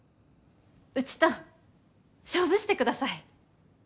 うちと勝負してください！